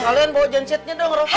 kalian bawa gensetnya dong rafa